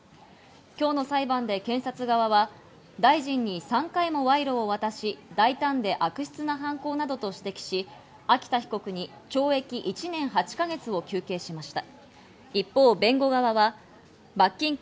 今日の裁判で検察側は大臣に３回も賄賂を渡し大胆で悪質な犯行などと指摘し、秋田被告に懲役１年８か月を求刑しました。